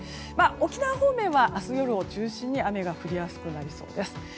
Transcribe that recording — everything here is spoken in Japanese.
沖縄方面は明日夜を中心に雨が降りやすくなりそうです。